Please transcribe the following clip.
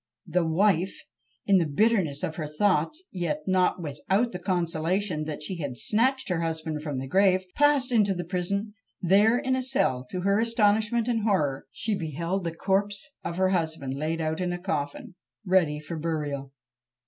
The wife, in the bitterness of her thoughts, yet not without the consolation that she had snatched her husband from the grave, passed into the prison; there in a cell, to her astonishment and horror, she beheld the corpse of her husband laid out in a coffin, ready for burial!